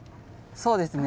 そうですね。